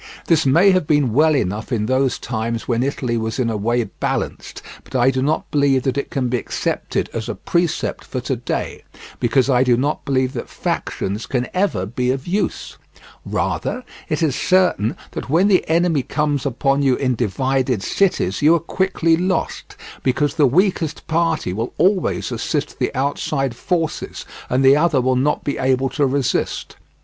This may have been well enough in those times when Italy was in a way balanced, but I do not believe that it can be accepted as a precept for to day, because I do not believe that factions can ever be of use; rather it is certain that when the enemy comes upon you in divided cities you are quickly lost, because the weakest party will always assist the outside forces and the other will not be able to resist.